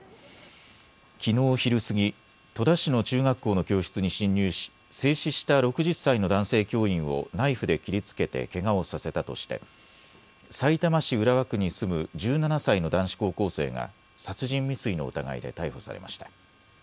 きのう昼過ぎ、戸田市の中学校の教室に侵入し制止した６０歳の男性教員をナイフで切りつけてけがをさせたとしてさいたま市浦和区に住む１７歳の男子高校生が殺人未遂の疑いで逮捕されました。